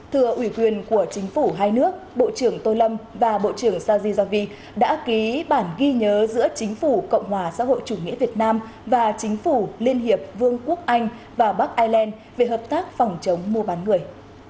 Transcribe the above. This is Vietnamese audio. thừa ủy quyền của chính phủ hai nước bộ trưởng tô lâm và bộ trưởng sajizavi đã ký bản ghi nhớ giữa chính phủ cộng hòa xã hội chủ nghĩa việt nam và chính phủ liên hiệp vương quốc anh và bắc ireland về hợp tác phòng chống mua bán người